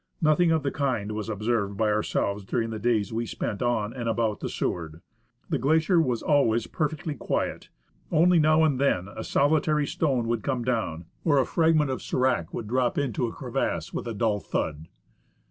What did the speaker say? Nothing of the kind was observed by ourselves during the days we spent on and about the Seward. The glacier was always per fectly quiet ; only now and then a solitary stone would come down, or a fragment of sdrac would drop into a crevasse with a dull thud.